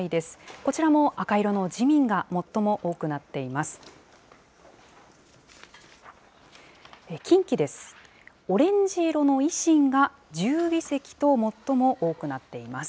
こちらも赤色の自民が最も多くなっています。